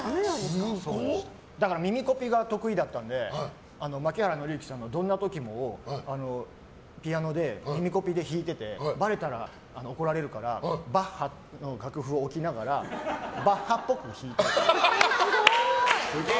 だから耳コピが得意だったんで槇原敬之さんの「どんなときも」をピアノで耳コピで弾いててばれたら怒られるからバッハの楽譜を置きながらバッハっぽく弾いたり。